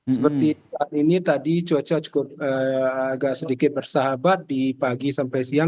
seperti saat ini tadi cuaca cukup agak sedikit bersahabat di pagi sampai siang